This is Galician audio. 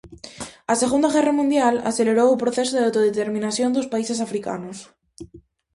A Segunda Guerra Mundial acelerou o proceso de autodeterminación dos países africanos.